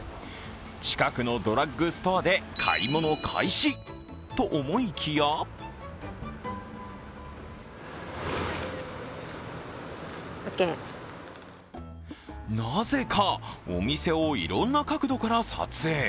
近くのドラッグストアで買い物開始と思いきやなぜかお店をいろんな角度から撮影。